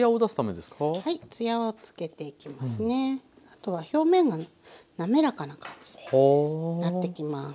あとは表面が滑らかな感じなってきます。